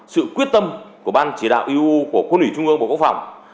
sự quyết tâm của ban chỉ đạo eu của quân ủy trung ương bộ quốc phòng